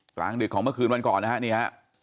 กลางดึกของเมื่อคืนวันก่อนนะครับ